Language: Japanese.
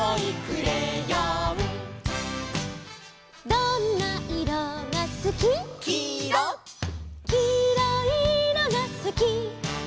「どんないろがすき」「」「きいろいいろがすき」